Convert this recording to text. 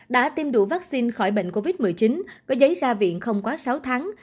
đã tiêm đủ vaccine khỏi bệnh covid một mươi chín có giấy ra viện không quá sáu tháng